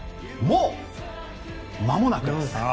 もうまもなくです。